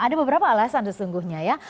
ada beberapa alasan sesungguhnya ya